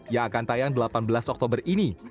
yang akan tayang delapan belas oktober ini